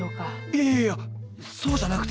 いやいやいやそうじゃなくて。